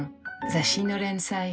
雑誌の連載